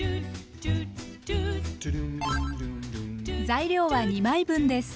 材料は２枚分です。